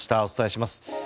お伝えします。